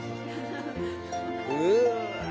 うわ！